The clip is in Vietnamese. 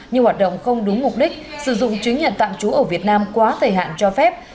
nhưng hoạt động không đúng mục đích sử dụng chứng nhận tạm trú ở việt nam quá thời hạn cho phép